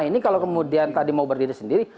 ini kalau kemudian tadi mau berdiri sendiri